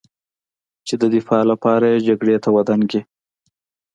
چې د دفاع لپاره یې جګړې ته ودانګي